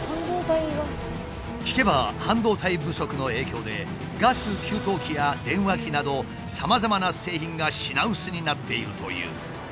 聞けば半導体不足の影響でガス給湯器や電話機などさまざまな製品が品薄になっているという。